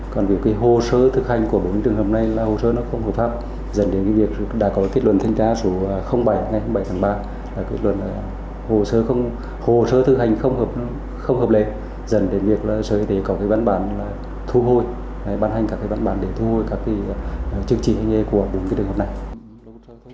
còn việc hồ sơ thực hành của bốn trường hợp này là hồ sơ nó không hợp pháp dần đến việc đã có kết luận thanh tra số bảy ngày bảy tháng ba là kết luận hồ sơ thực hành không hợp lệ dần đến việc sở y tế có văn bản thu hôi bán hành các văn bản để thu hôi các chứng chỉ hành nghề của bốn trường hợp này